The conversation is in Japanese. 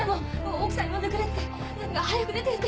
奥さん呼んでくれって早く出てやって！